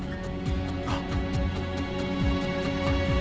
あっ。